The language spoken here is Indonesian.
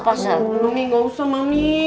mami gak usah mami